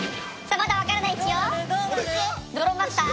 まだ分からないッチよ。